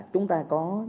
chúng ta có